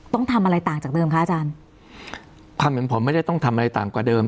ต้องทำอะไรต่างจากเดิมคะอาจารย์ความเห็นผมไม่ได้ต้องทำอะไรต่างกว่าเดิม